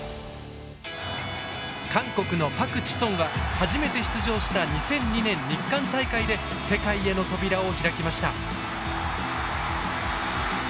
初めて出場した２００２年日韓大会で世界への扉を開きました。